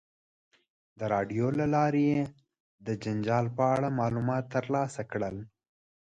د راډیو له لارې یې د جنجال په اړه معلومات ترلاسه کړل.